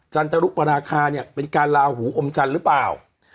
จันตรุปราคาเนี่ยเป็นการลาหูอมจันทร์หรือเปล่า